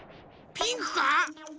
ピンクか？